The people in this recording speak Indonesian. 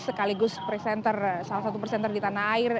sekaligus presenter salah satu presenter di tanah air